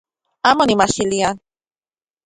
Amo nimajxilia